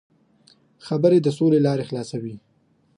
خبرې د سولې لاره خلاصوي.